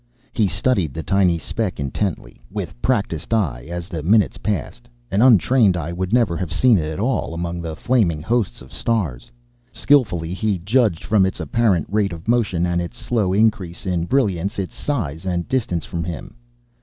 He studied the tiny speck intently, with practised eye, as the minutes passed an untrained eye would never have seen it at all, among the flaming hosts of stars. Skilfully he judged, from its apparent rate of motion and its slow increase in brilliance, its size and distance from him.